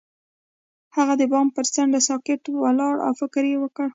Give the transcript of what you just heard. هغه د بام پر څنډه ساکت ولاړ او فکر وکړ.